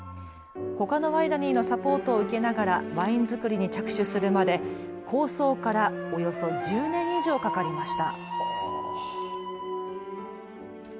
ほかのワイナリーのサポートを受けながらワイン造りに着手するまで構想からおよそ１０年以上かかりました。